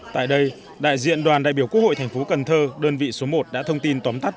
tại đây đại diện đoàn đại biểu quốc hội thành phố cần thơ đơn vị số một đã thông tin tóm tắt